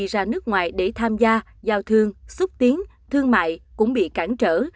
ra nước ngoài để tham gia giao thương xúc tiến thương mại cũng bị cản trở